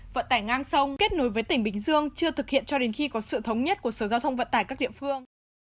vận tải ngang sông kết nối với tỉnh bình dương chưa thực hiện cho đến khi có sự thống nhất của sở giao thông vận tải các địa phương